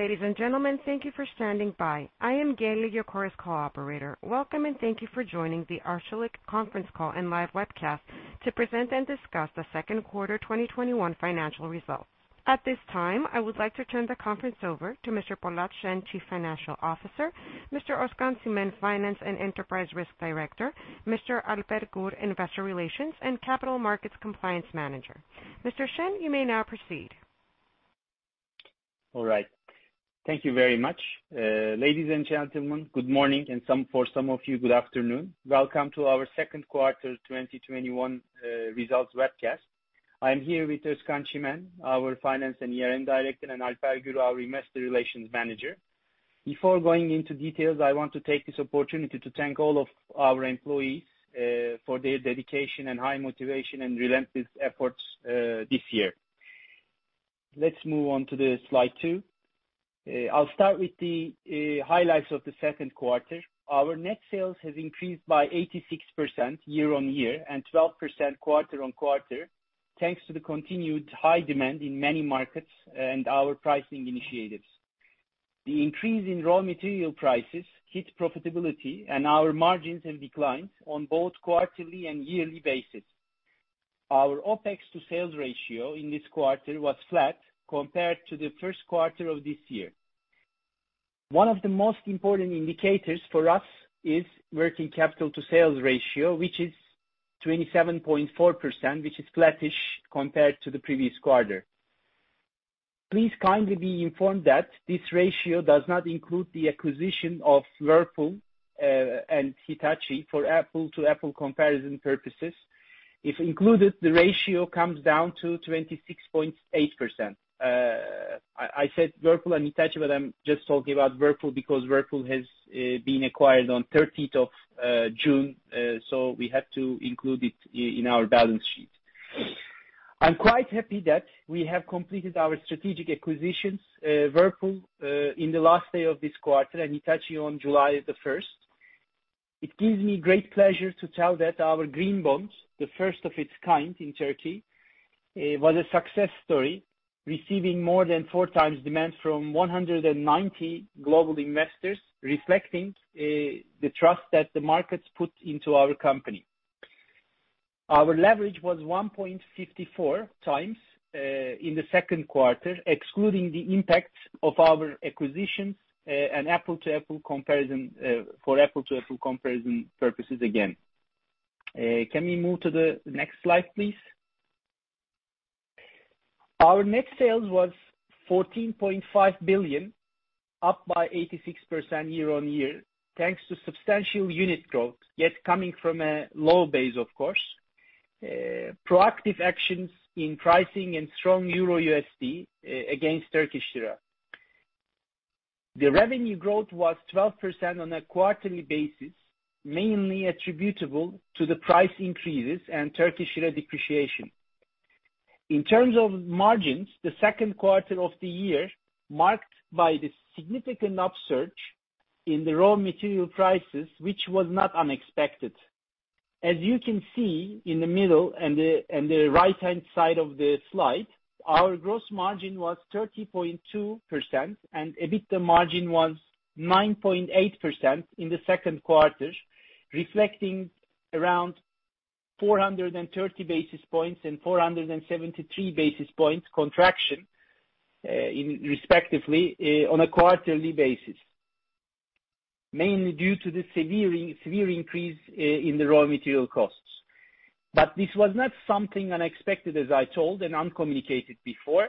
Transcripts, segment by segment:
Ladies and gentlemen, thank you for standing by. I am Gail, your Chorus Call operator. Welcome, and thank you for joining the Arçelik conference call and live webcast to present and discuss the second quarter 2021 financial results. At this time, I would like to turn the conference over to Mr. Polat Şen, Chief Financial Officer, Mr. Özkan Çimen, Finance and Enterprise Risk Director, Mr. Alper Gür, Investor Relations and Capital Markets Compliance Manager. Mr. Şen, you may now proceed. All right. Thank you very much. Ladies and gentlemen, good morning, and for some of you, good afternoon. Welcome to our second quarter 2021 results webcast. I'm here with Özkan Çimen, our Finance and Enterprise Risk Director, and Alper Gür, our Investor Relations Manager. Before going into details, I want to take this opportunity to thank all of our employees for their dedication and high motivation and relentless efforts this year. Let's move on to slide two. I'll start with the highlights of the second quarter. Our net sales have increased by 86% year-on-year and 12% quarter-on-quarter, thanks to the continued high demand in many markets and our pricing initiatives. The increase in raw material prices hit profitability, and our margins have declined on both quarterly and yearly basis. Our OpEx to sales ratio in this quarter was flat compared to the first quarter of this year. One of the most important indicators for us is working capital to sales ratio, which is 27.4%, which is flattish compared to the previous quarter. Please kindly be informed that this ratio does not include the acquisition of Whirlpool and Hitachi for apples-to-apples comparison purposes. If included, the ratio comes down to 26.8%. I said Whirlpool and Hitachi, but I'm just talking about Whirlpool because Whirlpool has been acquired on 30th of June, so we had to include it in our balance sheet. I'm quite happy that we have completed our strategic acquisitions, Whirlpool in the last day of this quarter and Hitachi on July 1st. It gives me great pleasure to tell that our green bonds, the first of its kind in Turkey, was a success story, receiving more than 4x demand from 190 global investors, reflecting the trust that the markets put into our company. Our leverage was 1.54x in the second quarter, excluding the impact of our acquisitions, for apple-to-apple comparison purposes again. Can we move to the next slide, please? Our net sales was 14.5 billion, up by 86% year-on-year, thanks to substantial unit growth, yet coming from a low base, of course. Proactive actions in pricing and strong Euro USD against Turkish lira. The revenue growth was 12% on a quarterly basis, mainly attributable to the price increases and Turkish lira depreciation. In terms of margins, the second quarter of the year marked by the significant upsurge in the raw material prices, which was not unexpected. As you can see in the middle and the right-hand side of the slide, our gross margin was 30.2% and EBITDA margin was 9.8% in the second quarter, reflecting around 430 basis points and 473 basis points contraction respectively on a quarterly basis, mainly due to the severe increase in the raw material costs. This was not something unexpected, as I told and communicated before.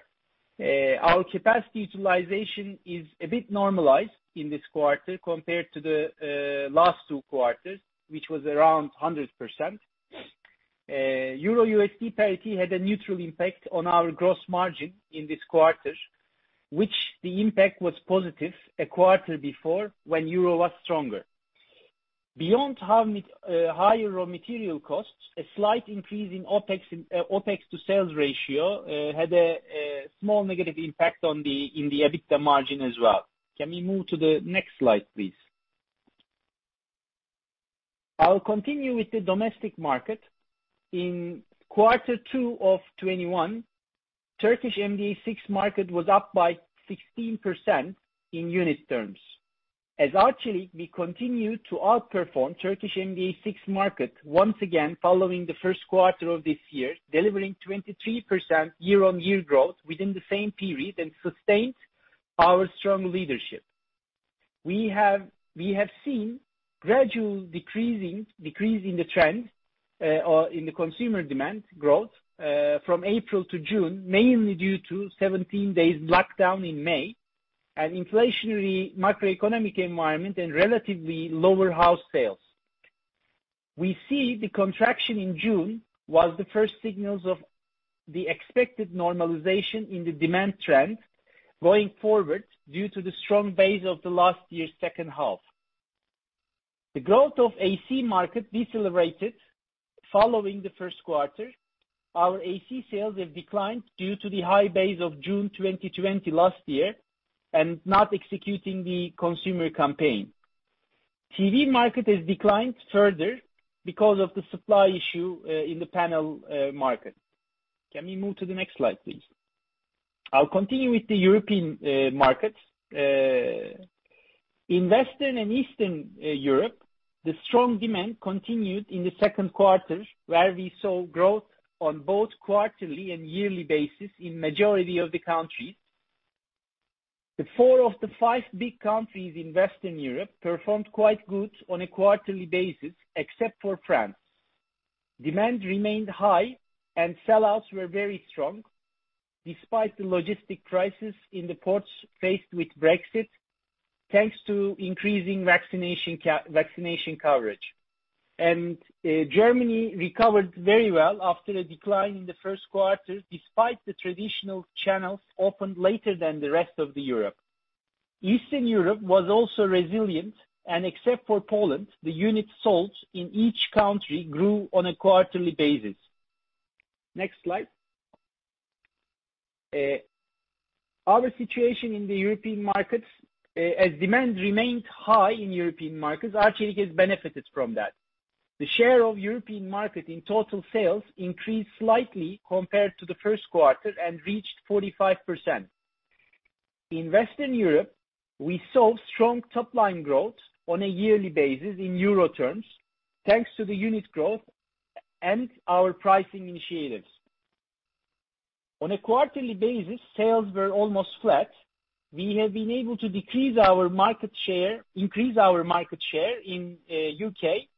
Our capacity utilization is a bit normalized in this quarter compared to the last two quarters, which was around 100%. EUR USD parity had a neutral impact on our gross margin in this quarter, which the impact was positive a quarter before when EUR was stronger. Beyond higher raw material costs, a slight increase in OpEx to sales ratio had a small negative impact in the EBITDA margin as well. Can we move to the next slide, please? I will continue with the domestic market. In quarter two of 2021, Turkish MDA6 market was up by 16% in unit terms. As Arçelik, we continued to outperform Turkish MDA6 market once again following the first quarter of this year, delivering 23% year-on-year growth within the same period and sustained our strong leadership. We have seen gradual decrease in the trend or in the consumer demand growth from April to June, mainly due to 17 days lockdown in May and inflationary macroeconomic environment and relatively lower house sales. We see the contraction in June was the first signals of the expected normalization in the demand trend going forward due to the strong base of the last year's second half. The growth of AC market decelerated following the first quarter. Our AC sales have declined due to the high base of June 2020 last year and not executing the consumer campaign. TV market has declined further because of the supply issue in the panel market. Can we move to the next slide, please? I'll continue with the European markets. In Western and Eastern Europe, the strong demand continued in the second quarter, where we saw growth on both quarterly and yearly basis in majority of the countries. The four of the five big countries in Western Europe performed quite good on a quarterly basis, except for France. Demand remained high, and sellouts were very strong despite the logistic crisis in the ports faced with Brexit, thanks to increasing vaccination coverage. Germany recovered very well after a decline in the first quarter, despite the traditional channels opened later than the rest of Europe. Eastern Europe was also resilient, and except for Poland, the unit sold in each country grew on a quarterly basis. Next slide. Our situation in the European markets. As demand remained high in European markets, Arçelik has benefited from that. The share of European market in total sales increased slightly compared to the first quarter and reached 45%. In Western Europe, we saw strong top-line growth on a yearly basis in euro terms, thanks to the unit growth and our pricing initiatives. On a quarterly basis, sales were almost flat. We have been able to increase our market share in the U.K.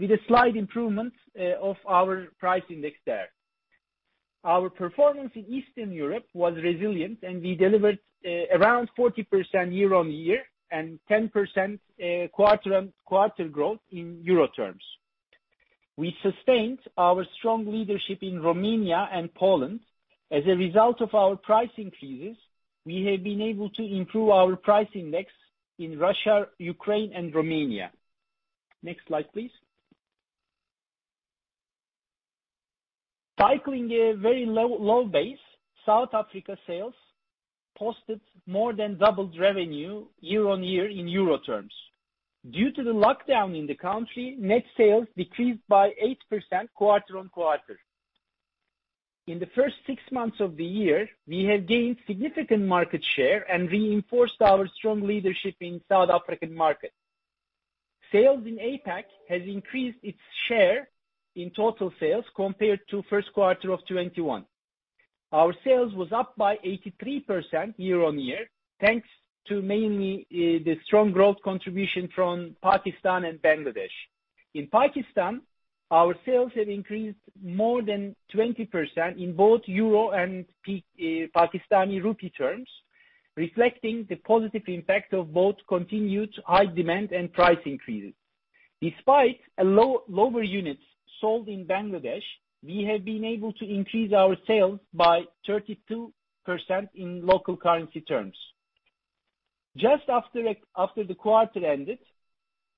with a slight improvement of our price index there. Our performance in Eastern Europe was resilient, and we delivered around 40% year-on-year and 10% quarter-on-quarter growth in euro terms. We sustained our strong leadership in Romania and Poland. As a result of our price increases, we have been able to improve our price index in Russia, Ukraine, and Romania. Next slide, please. Cycling a very low base, South Africa sales posted more than doubled revenue year-on-year in euro terms. Due to the lockdown in the country, net sales decreased by 8% quarter-on-quarter. In the first six months of the year, we have gained significant market share and reinforced our strong leadership in South African market. Sales in APAC has increased its share in total sales compared to first quarter of 2021. Our sales was up by 83% year-on-year, thanks to mainly the strong growth contribution from Pakistan and Bangladesh. In Pakistan, our sales have increased more than 20% in both euro and Pakistani rupee terms, reflecting the positive impact of both continued high demand and price increases. Despite lower units sold in Bangladesh, we have been able to increase our sales by 32% in local currency terms. Just after the quarter ended,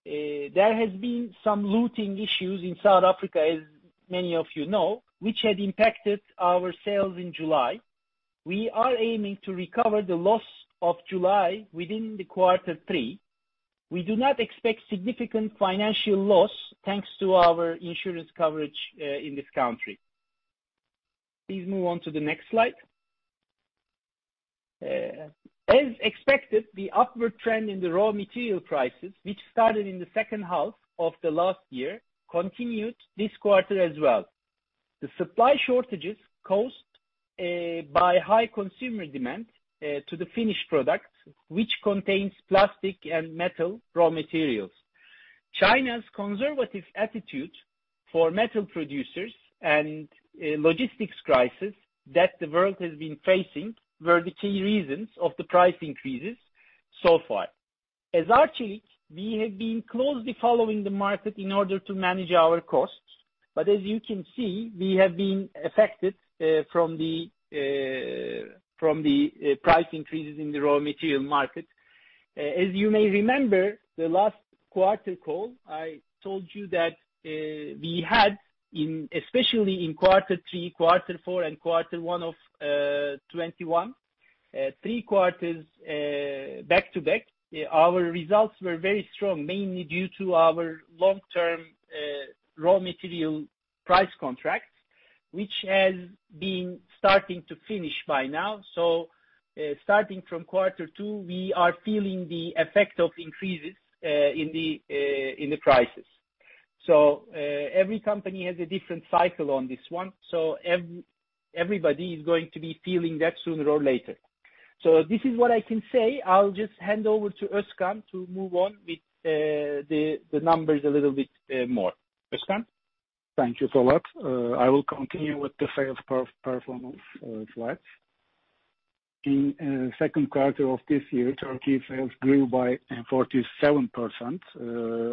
there has been some looting issues in South Africa, as many of you know, which had impacted our sales in July. We are aiming to recover the loss of July within the quarter three. We do not expect significant financial loss thanks to our insurance coverage in this country. Please move on to the next slide. As expected, the upward trend in the raw material prices, which started in the second half of the last year, continued this quarter as well. The supply shortages caused by high consumer demand to the finished product, which contains plastic and metal raw materials. China's conservative attitude for metal producers and logistics crisis that the world has been facing were the key reasons of the price increases so far. As Arçelik, we have been closely following the market in order to manage our costs. As you can see, we have been affected from the price increases in the raw material market. As you may remember, the last quarter call, I told you that we had, especially in quarter three, quarter four, and quarter one of 2021, three quarters back-to-back. Our results were very strong, mainly due to our long-term raw material price contracts, which has been starting to finish by now. Starting from quarter two, we are feeling the effect of increases in the prices. Every company has a different cycle on this one. Everybody is going to be feeling that sooner or later. This is what I can say. I will just hand over to Özkan to move on with the numbers a little bit more. Özkan? Thank you so much. I will continue with the sales performance slides. In second quarter of this year, Turkey sales grew by 47%.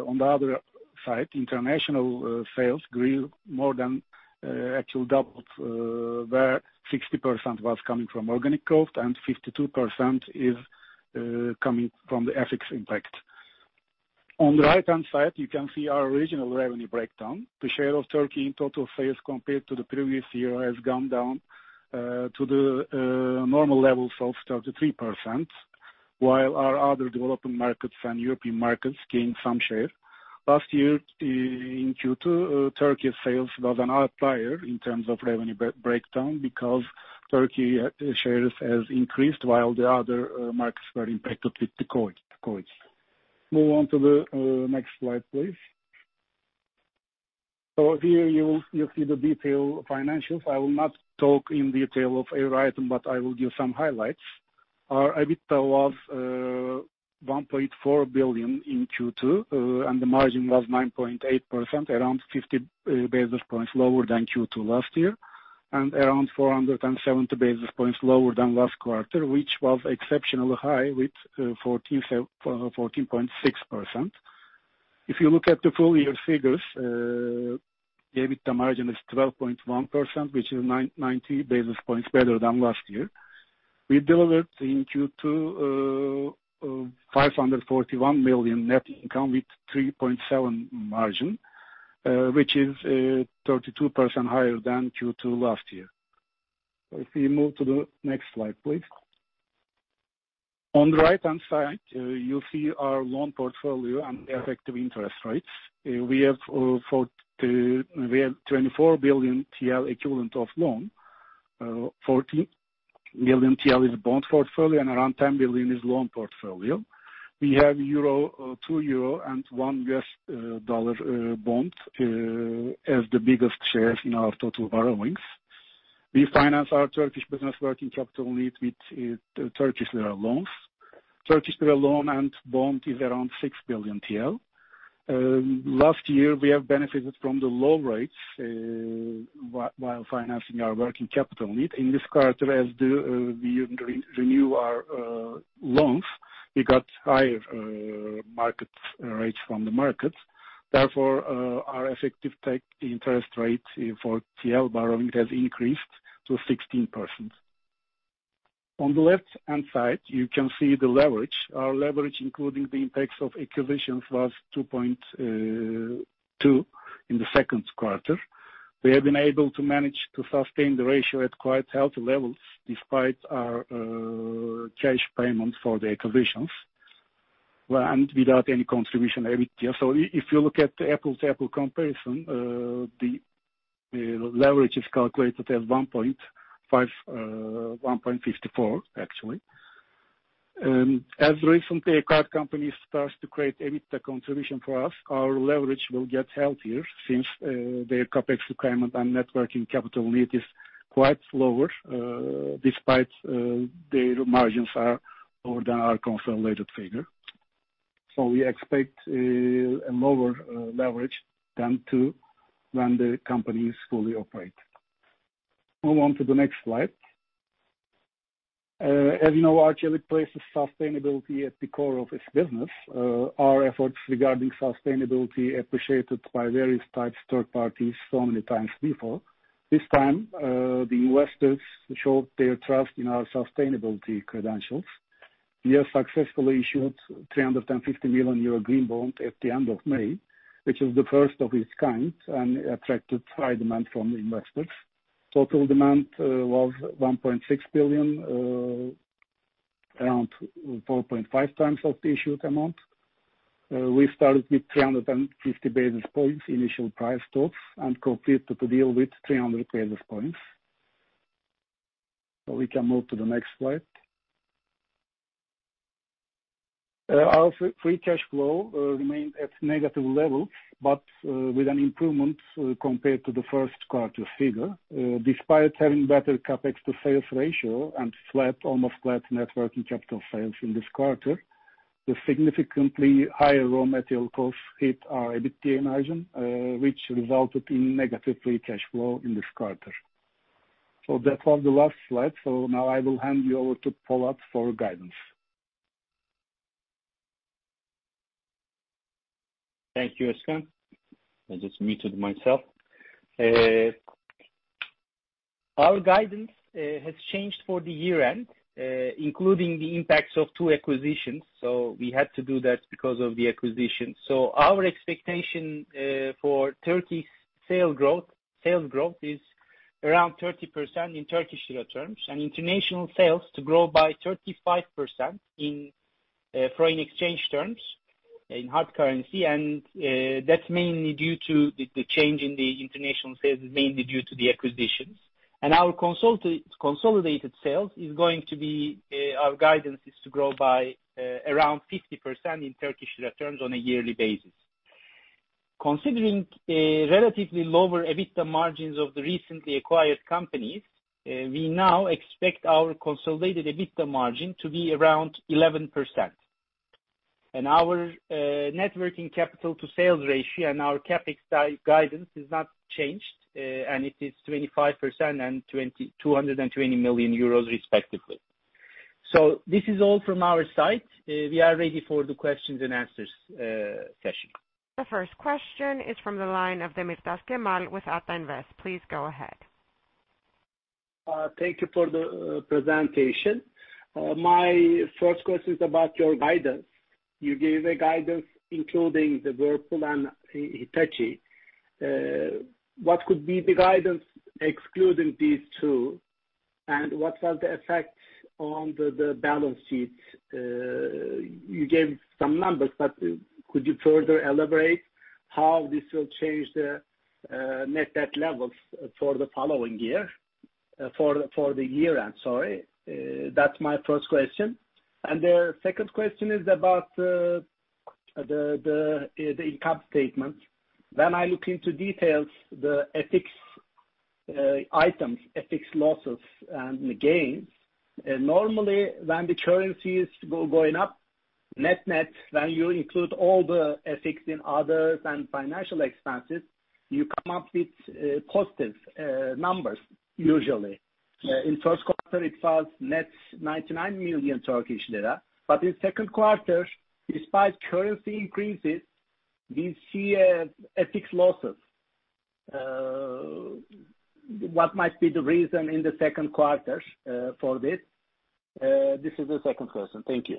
On the other side, international sales grew more than actual double, where 60% was coming from organic growth and 52% is coming from the FX impact. On the right-hand side, you can see our regional revenue breakdown. The share of Turkey in total sales compared to the previous year has gone down to the normal levels of 33%, while our other developing markets and European markets gained some share. Last year in Q2, Turkey sales was an outlier in terms of revenue breakdown because Turkey shares have increased while the other markets were impacted with the COVID. Move on to the next slide, please. Here you see the detailed financials. I will not talk in detail of every item, but I will give some highlights. Our EBITDA was 1.4 billion in Q2, and the margin was 9.8%, around 50 basis points lower than Q2 last year, and around 470 basis points lower than last quarter, which was exceptionally high with 14.6%. If you look at the full year figures, the EBITDA margin is 12.1%, which is 90 basis points better than last year. We delivered in Q2, 541 million net income with 3.7% margin, which is 32% higher than Q2 last year. If we move to the next slide, please. On the right-hand side, you'll see our loan portfolio and effective interest rates. We have 24 billion TL equivalent of loan. 14 billion TL is bond portfolio, and around 10 billion is loan portfolio. We have two EUR and one USD bond as the biggest shares in our total borrowings. We finance our Turkish business working capital needs with Turkish lira loans. Turkish lira loan and bond is around 6 billion TL. Last year, we have benefited from the low rates while financing our working capital need. In this quarter, as we renew our loans, we got higher rates from the market. Therefore, our effective tax interest rate for TRY borrowing has increased to 16%. On the left-hand side, you can see the leverage. Our leverage, including the impacts of acquisitions, was 2.2 in the second quarter. We have been able to manage to sustain the ratio at quite healthy levels, despite our cash payments for the acquisitions, and without any contribution EBITDA. If you look at the apples-to-apples comparison, the leverage is calculated at 1.54. As recently acquired companies start to create EBITDA contribution for us, our leverage will get healthier since their CapEx requirement and net working capital need is quite lower, despite their margins are lower than our consolidated figure. We expect a lower leverage than when the companies fully operate. Move on to the next slide. As you know, Arçelik places sustainability at the core of its business. Our efforts regarding sustainability appreciated by various types third parties so many times before. This time, the investors showed their trust in our sustainability credentials. We have successfully issued 350 million euro green bond at the end of May, which is the first of its kind and attracted high demand from investors. Total demand was 1.6 billion, around 4.5x of the issued amount. We started with 350 basis points initial price talks and completed the deal with 300 basis points. We can move to the next slide. Our free cash flow remained at negative levels, with an improvement compared to the first quarter figure. Despite having better CapEx to sales ratio and almost flat net working capital sales in this quarter, the significantly higher raw material costs hit our EBITDA margin, which resulted in negative free cash flow in this quarter. That was the last slide. Now I will hand you over to Polat for guidance. Thank you, Özkan. I just muted myself. Our guidance has changed for the year-end, including the impacts of two acquisitions. We had to do that because of the acquisitions. Our expectation for Turkey's sales growth is around 30% in Turkish lira terms, and international sales to grow by 35% in foreign exchange terms, in hard currency. That's mainly due to the change in the international sales, mainly due to the acquisitions. Our consolidated sales, our guidance is to grow by around 50% in Turkish lira terms on a yearly basis. Considering relatively lower EBITDA margins of the recently acquired companies, we now expect our consolidated EBITDA margin to be around 11%. Our net working capital to sales ratio and our CapEx guidance has not changed, and it is 25% and 220 million euros respectively. This is all from our side. We are ready for the questions and answers session. The first question is from the line of Cemal Demirtaş with Ata Invest. Please go ahead. Thank you for the presentation. My first question is about your guidance. You gave a guidance including the Whirlpool and Hitachi. What could be the guidance excluding these two, and what was the effect on the balance sheet? You gave some numbers, but could you further elaborate how this will change the net debt levels for the year? That's my first question. The second question is about the income statement. When I look into details, the FX items, FX losses and gains, normally when the currencies go up, net when you include all the FX in others and financial expenses, you come up with positive numbers usually. In the first quarter, it was net 99 million Turkish lira. In the second quarter, despite currency increases, we see FX losses. What might be the reason in the second quarter for this? This is the second question. Thank you.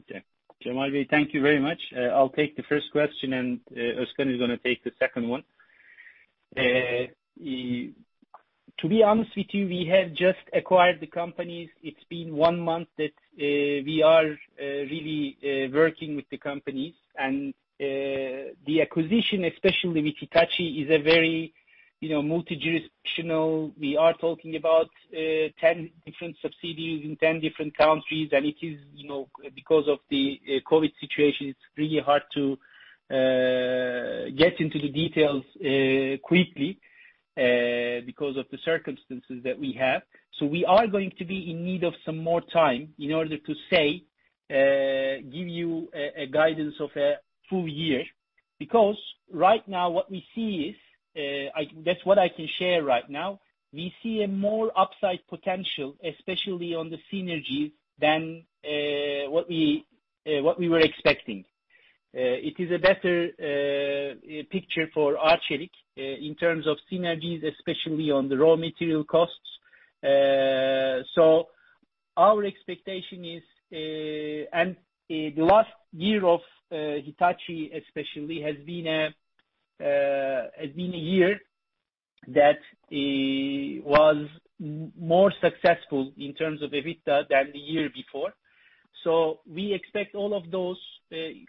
Okay. Cemal, thank you very much. I'll take the first question, and Özkan is going to take the second one. To be honest with you, we have just acquired the companies. It's been one month that we are really working with the companies. The acquisition, especially with Hitachi, is a very multi-jurisdictional. We are talking about 10 different subsidiaries in 10 different countries. Because of the COVID situation, it's really hard to get into the details quickly because of the circumstances that we have. We are going to be in need of some more time in order to, say, give you a guidance of a full year. Because right now, what we see is, that's what I can share right now, we see a more upside potential, especially on the synergies, than what we were expecting. It is a better picture for Arçelik in terms of synergies, especially on the raw material costs. The last year of Hitachi especially has been a year that was more successful in terms of EBITDA than the year before. We expect all of those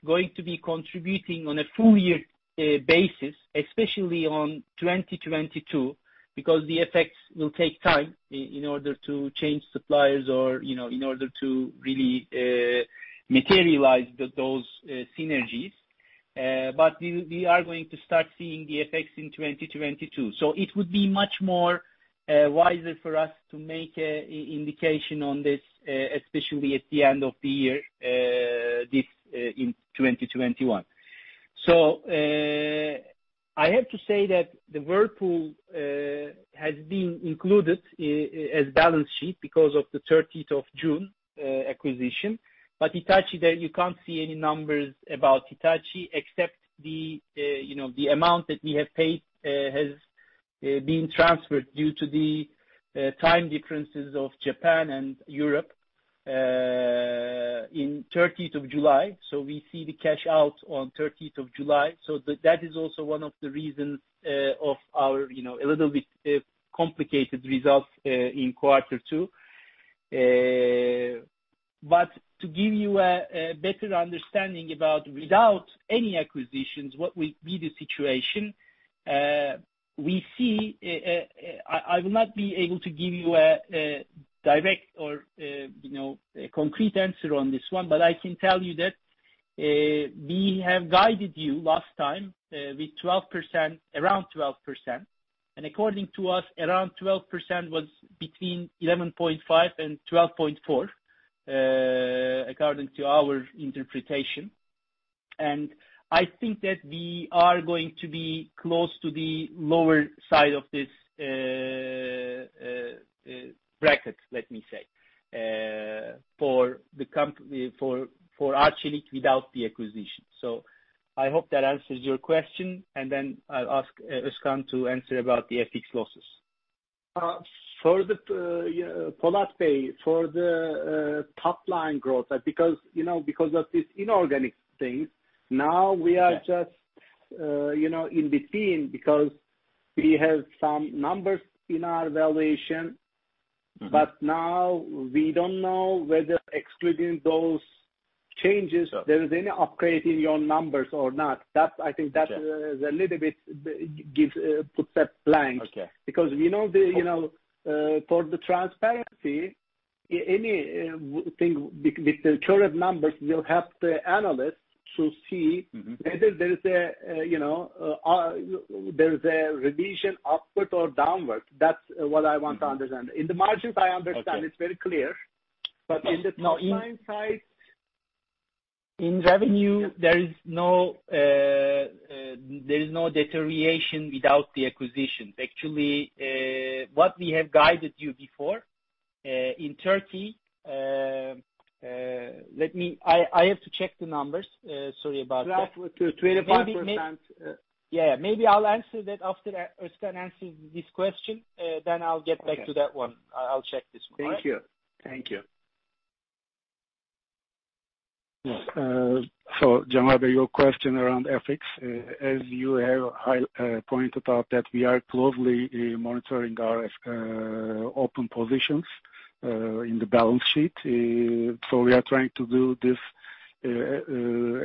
going to be contributing on a full year basis, especially on 2022, because the effects will take time in order to change suppliers or in order to really materialize those synergies. We are going to start seeing the effects in 2022. It would be much more wiser for us to make an indication on this, especially at the end of the year, in 2021. I have to say that the Whirlpool has been included as balance sheet because of the 30th of June acquisition. Hitachi, you can't see any numbers about Hitachi except the amount that we have paid has been transferred due to the time differences of Japan and Europe in 30th of July. We see the cash out on 30th of July. That is also one of the reasons of our little bit complicated results in quarter two. To give you a better understanding about without any acquisitions, what will be the situation, I will not be able to give you a direct or concrete answer on this one, but I can tell you that we have guided you last time with around 12%. According to us, around 12% was between 11.5% and 12.4%, according to our interpretation. I think that we are going to be close to the lower side of this bracket, let me say, for Arçelik without the acquisition. I hope that answers your question, and then I'll ask Özkan to answer about the FX losses. For the top line growth, because of this inorganic thing, now we are just in between, because we have some numbers in our valuation. Now we don't know whether excluding those changes, there is any upgrade in your numbers or not. I think that a little bit puts a blank. Okay. For the transparency, anything with the current numbers will help the analysts to see. Whether there is a revision upward or downward. That's what I want to understand. In the margins, I understand it's very clear. In revenue, there is no deterioration without the acquisition. Actually, what we have guided you before in Turkey, I have to check the numbers. Sorry about that. Last quarter, 25%. Yeah. Maybe I'll answer that after Özkan answers this question, then I'll get back to that one. I'll check this one, all right? Thank you. Cemal, your question around FX, as you have pointed out, we are closely monitoring our open positions in the balance sheet. We are trying to do this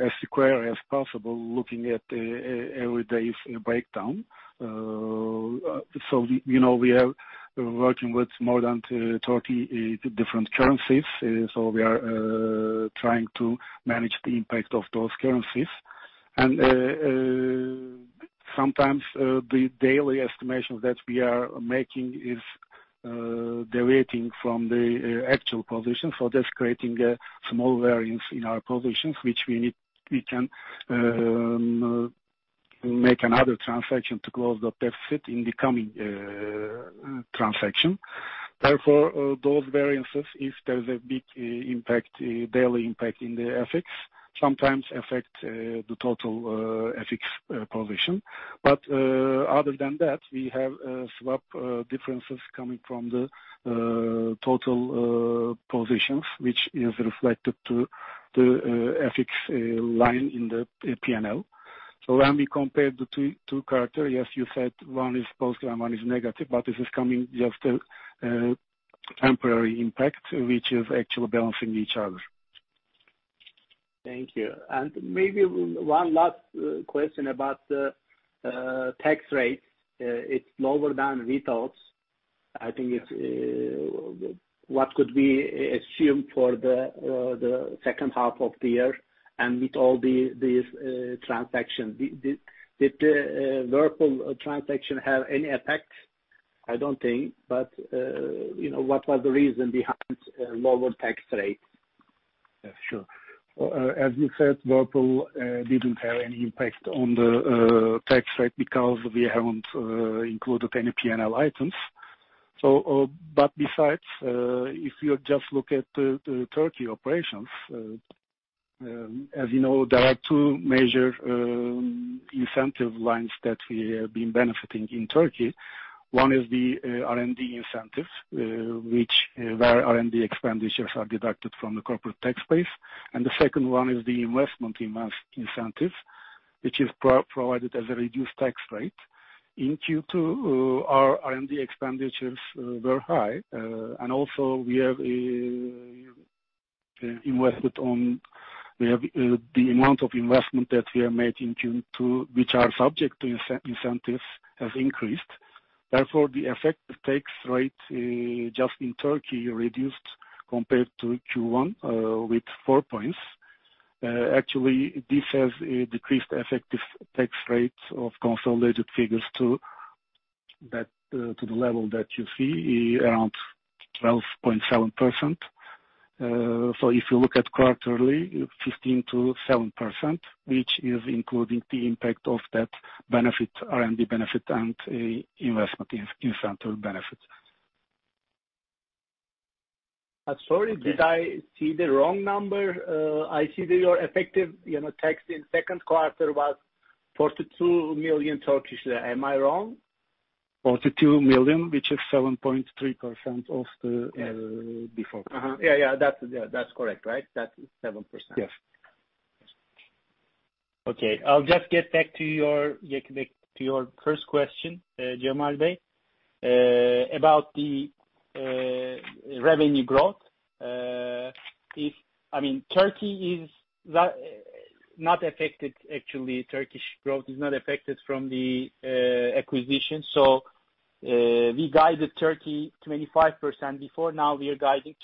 as square as possible, looking at every day's breakdown. We are working with more than 30 different currencies. We are trying to manage the impact of those currencies. Sometimes, the daily estimations that we are making is deviating from the actual position. That's creating a small variance in our positions, which we can make another transaction to close the deficit in the coming transaction. Therefore, those variances, if there's a big daily impact in the FX, sometimes affect the total FX position. Other than that, we have swap differences coming from the total positions, which is reflected to the FX line in the P&L. When we compare the two criteria, as you said, one is positive and one is negative, but this is coming just a temporary impact, which is actually balancing each other. Thank you. Maybe one last question about the tax rate. It's lower than we thought. What could we assume for the second half of the year and with all these transactions? Did the Whirlpool transaction have any effect? I don't think, but what was the reason behind lower tax rate? Yeah, sure. As you said, Whirlpool didn't have any impact on the tax rate because we haven't included any P&L items. Besides, if you just look at the Turkey operations, as you know, there are two major incentive lines that we have been benefiting in Turkey. One is the R&D incentive, where R&D expenditures are deducted from the corporate tax base. The second one is the investment incentive, which is provided as a reduced tax rate. In Q2, our R&D expenditures were high, and also the amount of investment that we have made in Q2, which are subject to incentives, has increased. Therefore, the effective tax rate just in Turkey reduced compared to Q1 with 4 points. Actually, this has decreased effective tax rates of consolidated figures to the level that you see around 12.7%. If you look at quarterly, 15%-7%, which is including the impact of that R&D benefit and investment incentive benefit. Sorry, did I see the wrong number? I see that your effective tax in second quarter was 42 million. Am I wrong? 42 million, which is 7.3% of the before. Yeah, that's correct, right? That is 7%. Yes. Okay. I'll just get back to your first question, Cemal Demirtaş, about the revenue growth. Actually, Turkish growth is not affected from the acquisition. We guided Turkey 25% before. Now we are guiding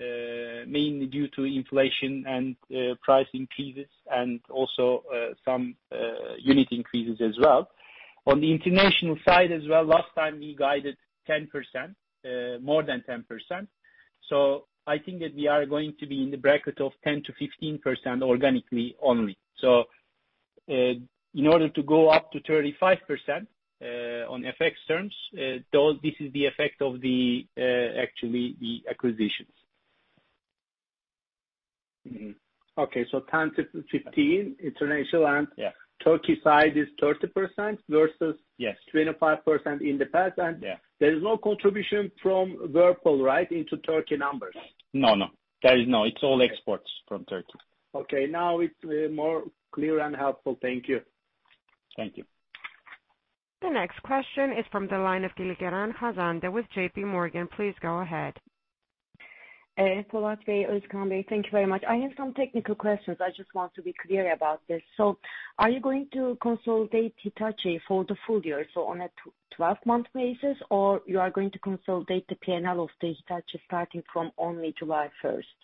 30%, mainly due to inflation and price increases and also some unit increases as well. On the international side as well, last time we guided more than 10%. I think that we are going to be in the bracket of 10%-15% organically only. In order to go up to 35% on FX terms, this is the effect of the acquisitions. Okay, 10%-15% international. Yeah Turkey side is 30% versus. Yes 25% in the past. Yeah there is no contribution from Whirlpool, right, into Turkey numbers? No. It's all exports from Turkey. Okay. Now it's more clear and helpful. Thank you. Thank you. The next question is from the line of Hanzade Kılıçkıran with JPMorgan. Please go ahead. Polat Şen, Özkan Çimen, thank you very much. I have some technical questions. I just want to be clear about this. Are you going to consolidate Hitachi for the full year, so on a 12-month basis, or you are going to consolidate the P&L of the Hitachi starting from only July 1st?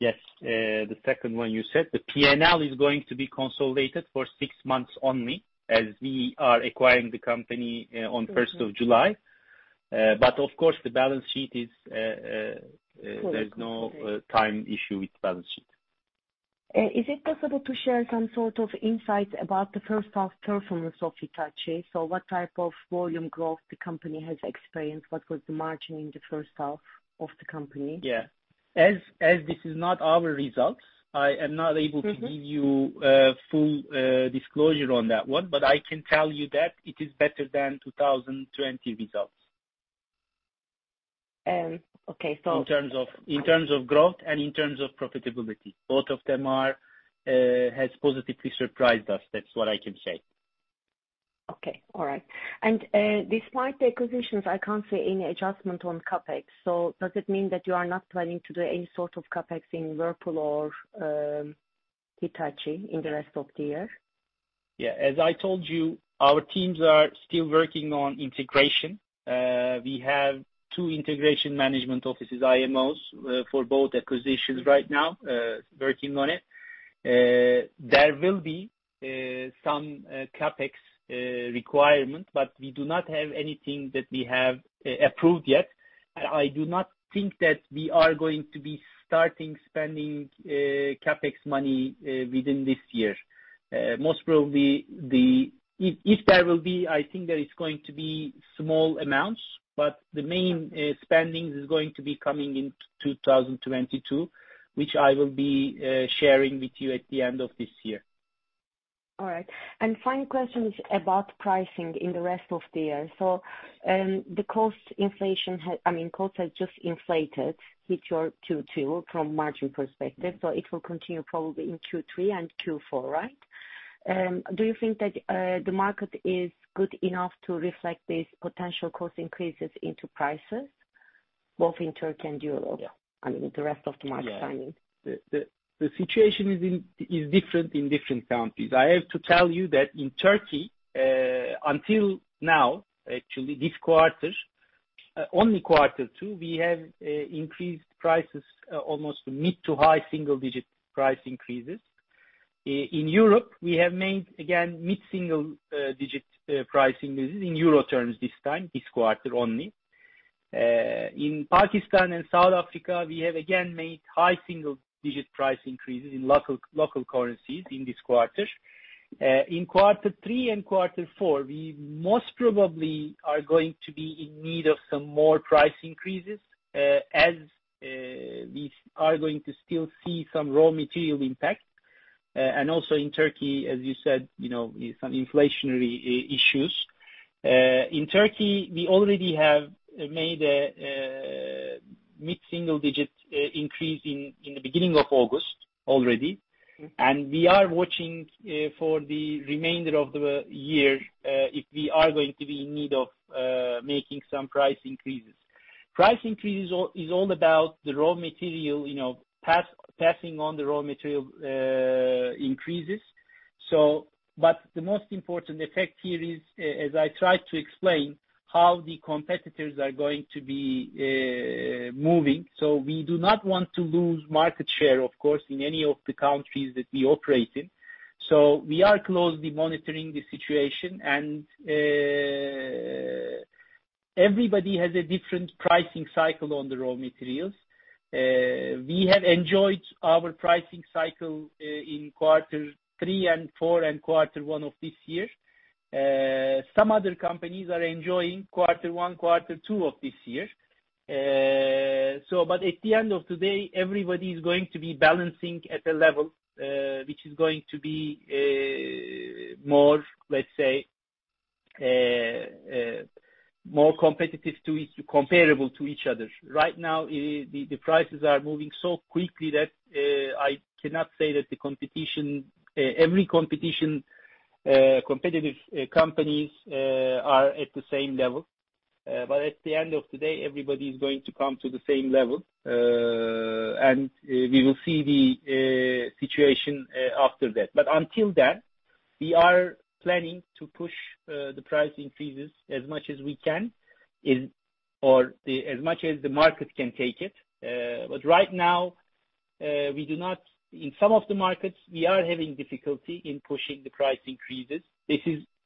Yes. The second one you said. The P&L is going to be consolidated for six months only, as we are acquiring the company on 1st of July. Of course, the balance sheet, there's no time issue with balance sheet. Is it possible to share some sort of insight about the first half performance of Hitachi? What type of volume growth the company has experienced? What was the margin in the first half of the company? Yeah. As this is not our results, I am not able to give you a full disclosure on that one, but I can tell you that it is better than 2020 results. Okay, so- In terms of growth and in terms of profitability. Both of them has positively surprised us. That's what I can say. Okay. All right. Despite the acquisitions, I can't see any adjustment on CapEx. Does it mean that you are not planning to do any sort of CapEx in Whirlpool or Hitachi in the rest of the year? As I told you, our teams are still working on integration. We have two integration management offices, IMOs, for both acquisitions right now, working on it. There will be some CapEx requirement. We do not have anything that we have approved yet. I do not think that we are going to be starting spending CapEx money within this year. Most probably, if there will be, I think there is going to be small amounts. The main spending is going to be coming in 2022, which I will be sharing with you at the end of this year. All right. Final question is about pricing in the rest of the year. The cost has just inflated Q2 from margin perspective, so it will continue probably in Q3 and Q4, right? Do you think that the market is good enough to reflect these potential cost increases into prices, both in Turkey and Europe? Yeah. I mean, the rest of the market. Yeah. The situation is different in different countries. I have to tell you that in Turkey, until now, actually this quarter, only quarter two, we have increased prices almost mid- to high-single-digit price increases. In Europe, we have made, again, mid-single-digit price increases in EUR terms this time, this quarter only. In Pakistan and South Africa, we have again made high-single-digit price increases in local currencies in this quarter. In quarter three and quarter four, we most probably are going to be in need of some more price increases, as we are going to still see some raw material impact. Also in Turkey, as you said, some inflationary issues. In Turkey, we already have made a mid-single-digit increase in the beginning of August already. We are watching for the remainder of the year, if we are going to be in need of making some price increases. Price increases is all about the raw material, passing on the raw material increases. The most important effect here is, as I try to explain how the competitors are going to be moving. We do not want to lose market share, of course, in any of the countries that we operate in. We are closely monitoring the situation, and everybody has a different pricing cycle on the raw materials. We have enjoyed our pricing cycle in quarter three and four and quarter one of this year. Some other companies are enjoying quarter one, quarter two of this year. At the end of today, everybody's going to be balancing at a level, which is going to be more, let's say, more competitive, comparable to each other. Right now, the prices are moving so quickly that I cannot say that every competitive companies are at the same level. At the end of the day, everybody's going to come to the same level. We will see the situation after that. Until then, we are planning to push the price increases as much as we can or as much as the market can take it. Right now, in some of the markets, we are having difficulty in pushing the price increases.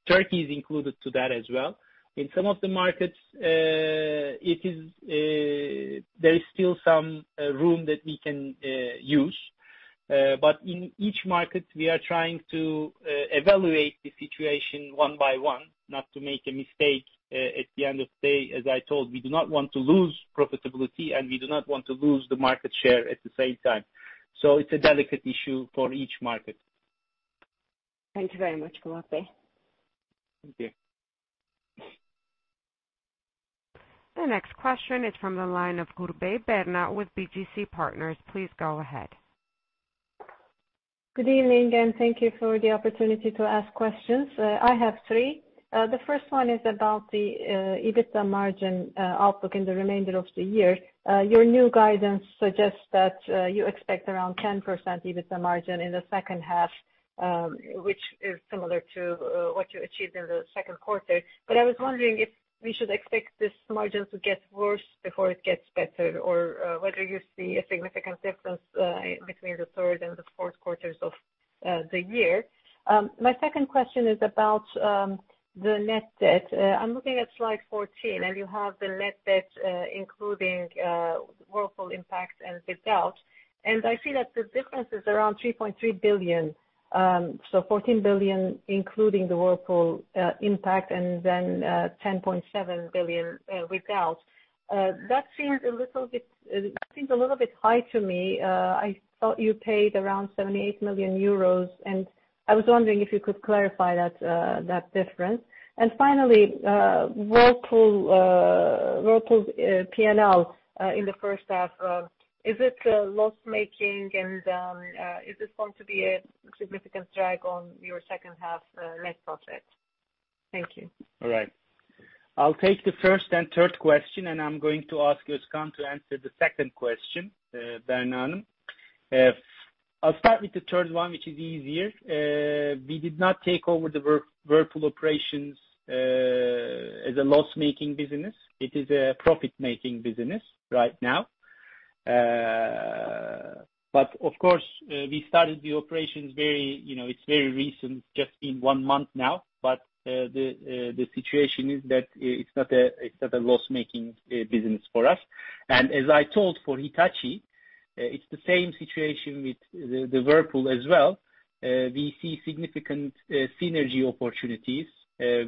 Turkey is included to that as well. In some of the markets, there is still some room that we can use. In each market, we are trying to evaluate the situation one by one, not to make a mistake. At the end of the day, as I told, we do not want to lose profitability, and we do not want to lose the market share at the same time. It's a delicate issue for each market. Thank you very much, Polat Şen. Thank you. The next question is from the line of Berna Kurbay with BGC Partners. Please go ahead. Good evening, and thank you for the opportunity to ask questions. I have three. The first one is about the EBITDA margin outlook in the remainder of the year. Your new guidance suggests that you expect around 10% EBITDA margin in the second half, which is similar to what you achieved in the second quarter. I was wondering if we should expect this margin to get worse before it gets better, or whether you see a significant difference between the third and fourth quarters of the year. My second question is about the net debt. I'm looking at slide 14, and you have the net debt, including Whirlpool impact and without. I see that the difference is around 3.3 billion. 14 billion, including the Whirlpool impact, and then 10.7 billion without. That seems a little bit high to me. I thought you paid around 78 million euros, and I was wondering if you could clarify that difference. Finally, Whirlpool's P&L in the first half, is it loss-making? Is this going to be a significant drag on your second half net profit? Thank you. All right. I'll take the first and third question, and I'm going to ask Özkan to answer the second question, Berna. I'll start with the third one, which is easier. We did not take over the Whirlpool operations as a loss-making business. It is a profit-making business right now. Of course, we started the operations, it's very recent, just been one month now. The situation is that it's not a loss-making business for us. As I told for Hitachi, it's the same situation with the Whirlpool as well. We see significant synergy opportunities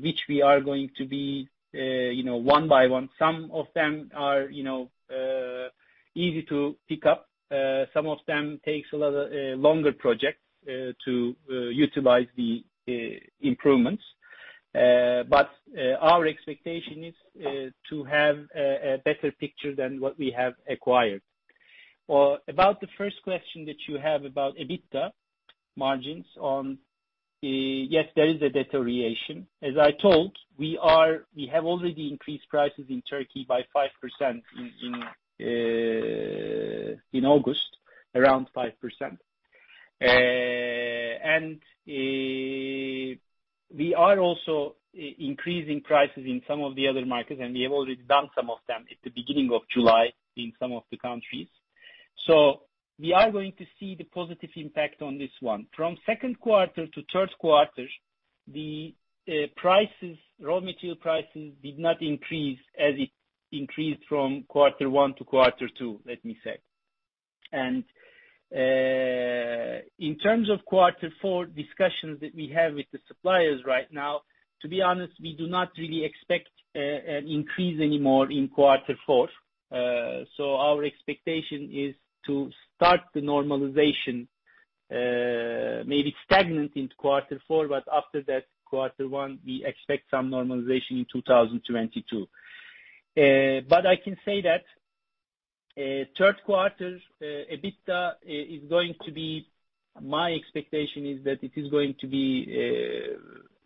which we are going to be, one by one. Some of them are easy to pick up. Some of them takes a longer project to utilize the improvements. Our expectation is to have a better picture than what we have acquired. About the first question that you have about EBITDA margins. Yes, there is a deterioration. As I told, we have already increased prices in Turkey by 5% in August, around 5%. We are also increasing prices in some of the other markets, and we have already done some of them at the beginning of July in some of the countries. We are going to see the positive impact on this one. From second quarter to third quarter, the raw material prices did not increase as it increased from quarter one to quarter two, let me say. In terms of quarter four discussions that we have with the suppliers right now, to be honest, we do not really expect an increase anymore in quarter four. Our expectation is to start the normalization, maybe stagnant in quarter four, but after that quarter one, we expect some normalization in 2022. I can say that third quarter EBITDA, my expectation is that it is going to be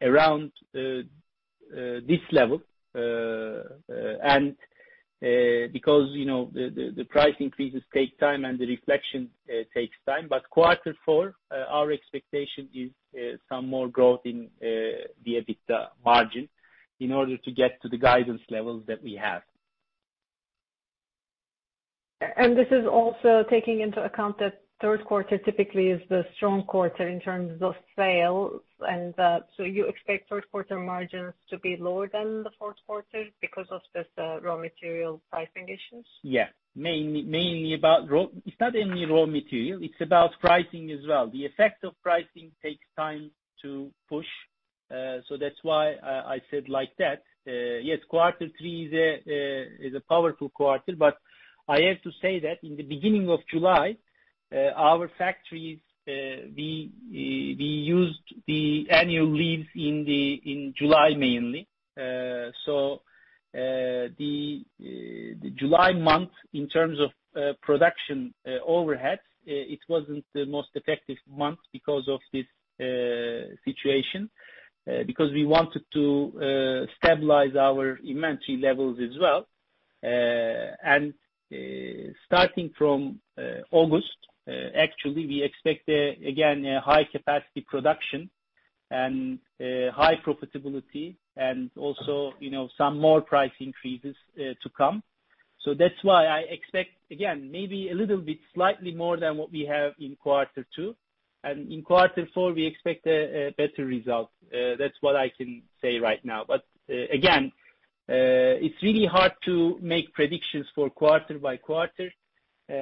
around this level. Because the price increases take time and the reflection takes time. Quarter four, our expectation is some more growth in the EBITDA margin in order to get to the guidance levels that we have. This is also taking into account that third quarter typically is the strong quarter in terms of sales. You expect third quarter margins to be lower than the fourth quarter because of the raw material pricing issues? Yeah. It's not only raw material, it's about pricing as well. The effect of pricing takes time to push. That's why I said like that. Yes, quarter three is a powerful quarter, I have to say that in the beginning of July, our factories, we used the annual leaves in July mainly. The July month, in terms of production overhead, it wasn't the most effective month because of this situation, because we wanted to stabilize our inventory levels as well. Starting from August, actually, we expect again, a high capacity production and high profitability and also some more price increases to come. That's why I expect, again, maybe a little bit slightly more than what we have in quarter two. In quarter four, we expect a better result. That's what I can say right now. Again, it's really hard to make predictions for quarter by quarter.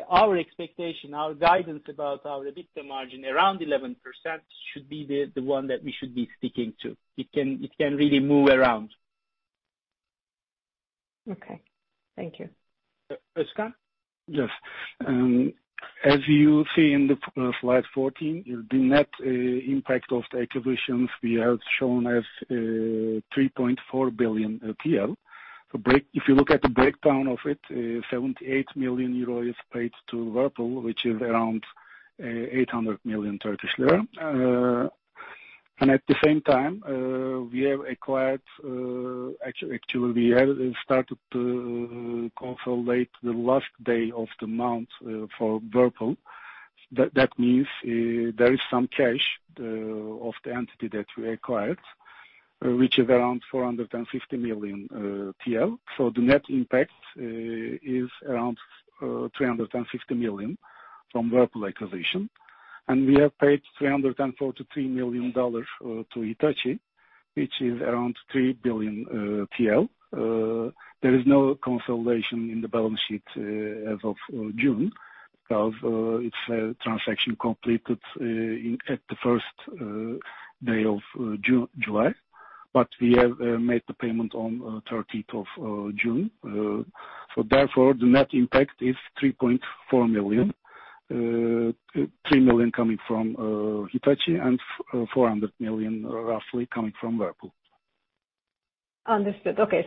Our expectation, our guidance about our EBITDA margin, around 11%, should be the one that we should be sticking to. It can really move around. Okay. Thank you. Özkan Çimen? Yes. As you see in slide 14, the net impact of the acquisitions we have shown as 3.4 billion TL. If you look at the breakdown of it, 78 million euro paid to Whirlpool, which is around 800 million Turkish lira. At the same time, we have acquired, actually we have started to consolidate the last day of the month for Whirlpool. That means there is some cash of the entity that we acquired. Which is around 450 million TL. The net impact is around 360 million from Whirlpool acquisition. We have paid $343 million to Hitachi, which is around 3 billion TL. There is no consolidation in the balance sheet as of June, because it's a transaction completed at the 1st day of July. We have made the payment on 30th of June. Therefore, the net impact is 3.4 million. 3 million coming from Hitachi, and 400 million roughly coming from Whirlpool. Understood. Okay.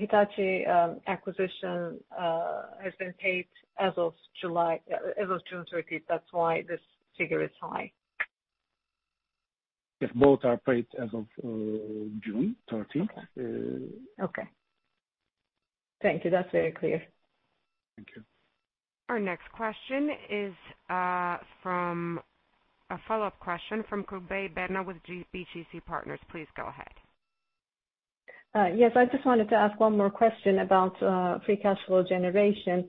Hitachi acquisition has been paid as of June 30th. That's why this figure is high. Both are paid as of June 30th. Okay. Thank you. That's very clear. Thank you. Our next question is a follow-up question from Berna Kurbay with BGC Partners. Please go ahead. Yes, I just wanted to ask one more question about free cash flow generation.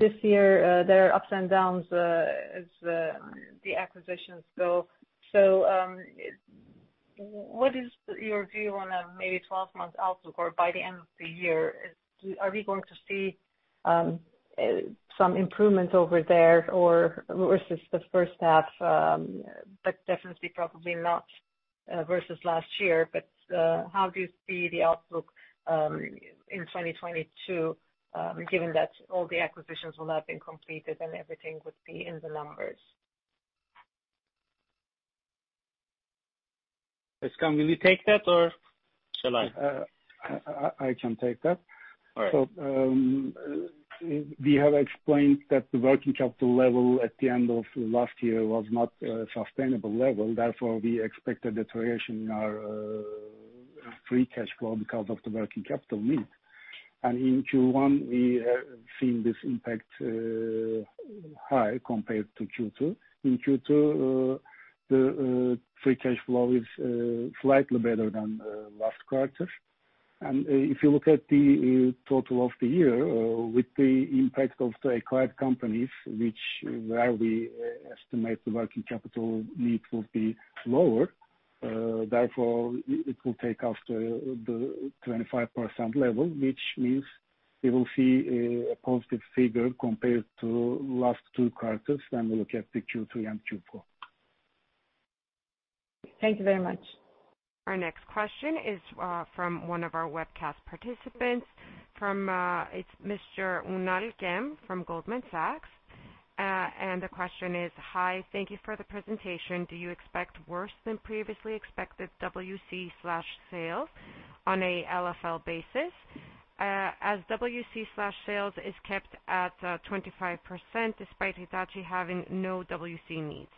This year, there are ups and downs as the acquisitions go. What is your view on a maybe 12 months outlook or by the end of the year? Are we going to see some improvement over there, or was this the first half, but definitely, probably not versus last year. How do you see the outlook in 2022, given that all the acquisitions will have been completed and everything would be in the numbers? Özkan Çimen, will you take that, or shall I? I can take that. All right. We have explained that the working capital level at the end of last year was not a sustainable level. Therefore, we expected deterioration in our free cash flow because of the working capital need. In Q1, we have seen this impact high compared to Q2. In Q2, the free cash flow is slightly better than last quarter. If you look at the total of the year, with the impact of the acquired companies, where we estimate the working capital need will be lower, therefore it will take us to the 25% level, which means we will see a positive figure compared to last two quarters when we look at the Q3 and Q4. Thank you very much. Our next question is from one of our webcast participants, it's Mr. Unal Ghem from Goldman Sachs. The question is, Hi, thank you for the presentation. Do you expect worse than previously expected WC/sales on a LFL basis? As WC/sales is kept at 25% despite Hitachi having no WC needs.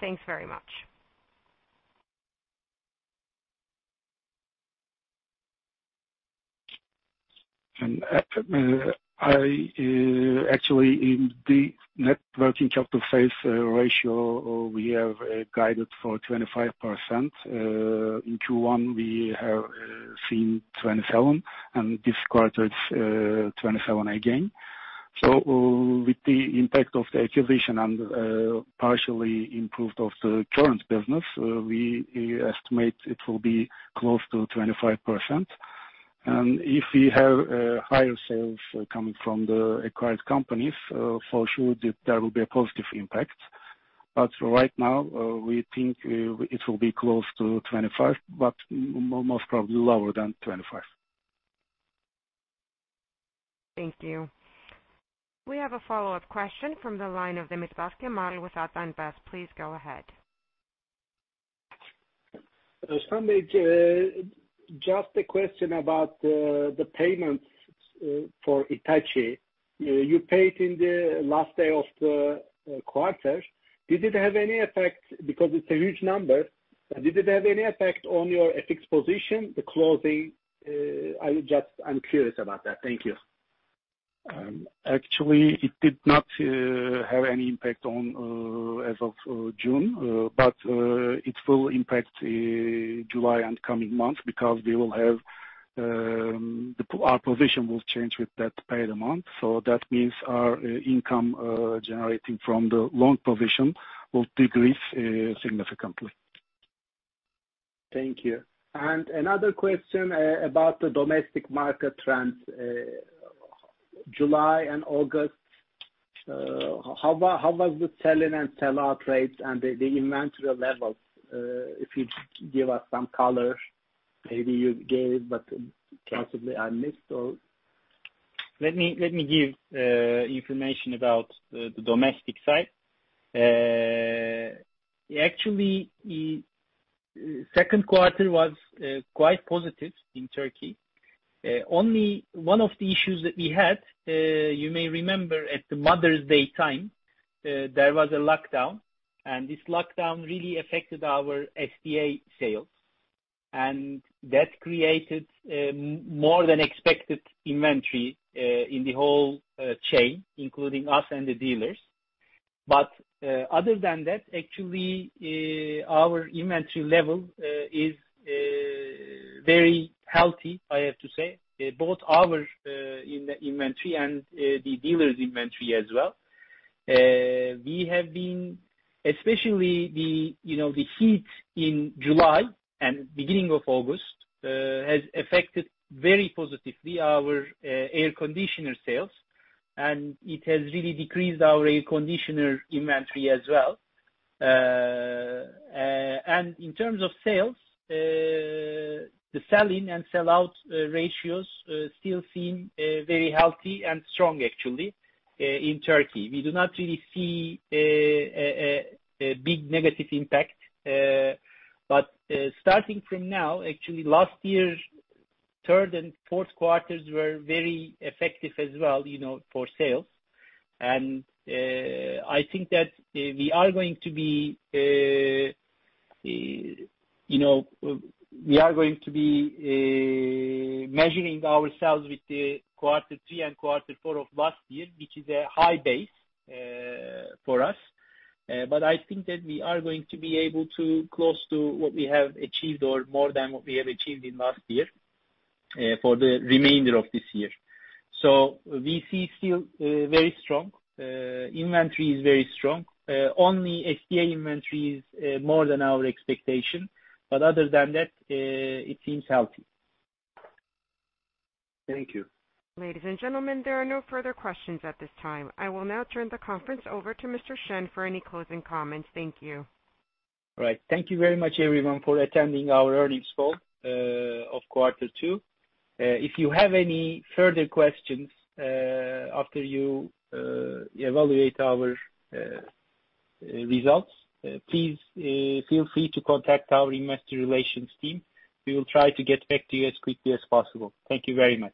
Thanks very much. Actually, in the net working capital phase ratio, we have guided for 25%. In Q1, we have seen 27%, and this quarter it's 27% again. With the impact of the acquisition and partially improved of the current business, we estimate it will be close to 25%. If we have higher sales coming from the acquired companies, for sure there will be a positive impact. Right now, we think it will be close to 25%, but most probably lower than 25%. Thank you. We have a follow-up question from the line of Cemal Demirtaş, with Ata Invest. Özkan Çimen, just a question about the payments for Hitachi. You paid in the last day of the quarter. Because it's a huge number, did it have any effect on your FX position, the closing? I'm curious about that. Thank you. Actually, it did not have any impact as of June. It will impact July and coming months because our position will change with that paid amount. That means our income generating from the loan provision will decrease significantly. Thank you. Another question about the domestic market trends. July and August, how was the selling and sell-out rates and the inventory levels? If you could give us some color. Maybe you gave, but possibly I missed. Let me give information about the domestic side. Actually, second quarter was quite positive in Turkey. Only one of the issues that we had, you may remember at the Mother's Day time, there was a lockdown. This lockdown really affected our SBA sales. That created more than expected inventory in the whole chain, including us and the dealers. Other than that, actually, our inventory level is very healthy, I have to say. Both our inventory and the dealers' inventory as well. Especially the heat in July and beginning of August, has affected very positively our air conditioner sales, and it has really decreased our air conditioner inventory as well. In terms of sales, the sell in and sell out ratios still seem very healthy and strong, actually, in Turkey. We do not really see a big negative impact. Starting from now, actually last year's third and fourth quarters were very effective as well for sales. I think that we are going to be measuring ourselves with the quarter three and quarter three of last year, which is a high base for us. I think that we are going to be able to close to what we have achieved or more than what we have achieved in last year for the remainder of this year. We see still very strong. Inventory is very strong. Only SDA inventory is more than our expectation, but other than that, it seems healthy. Thank you. Ladies and gentlemen, there are no further questions at this time. I will now turn the conference over to Mr. Şen for any closing comments. Thank you. All right. Thank you very much, everyone, for attending our earnings call of quarter two. If you have any further questions after you evaluate our results, please feel free to contact our investor relations team. We will try to get back to you as quickly as possible. Thank you very much